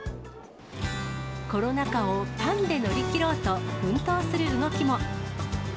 コロナ禍をパンで乗り切ろうと奮闘する動きも。